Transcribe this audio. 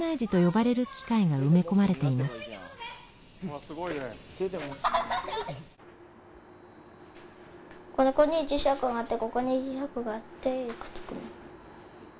ここに磁石があってここに磁石があってくっつくの。